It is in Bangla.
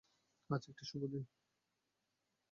আজ একটি শুভ দিন।